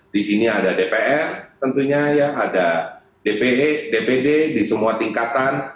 di sini ada dpr tentunya ya ada dpd dpd di semua tingkatan